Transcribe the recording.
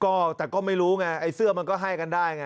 ก็แต่ก็ไม่รู้ไงไอ้เสื้อมันก็ให้กันได้ไง